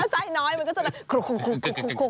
อ๋อถ้าไส้น้อยมันก็จะแบบคุก